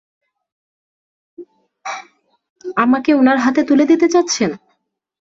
আমাকে উনার হাতে তুলে দিতে চাচ্ছেন?